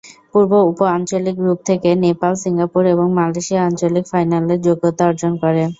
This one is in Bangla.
পূর্ব উপ-আঞ্চলিক গ্রুপ থেকে নেপাল, সিঙ্গাপুর এবং মালয়েশিয়া আঞ্চলিক ফাইনালের যোগ্যতা অর্জন করে।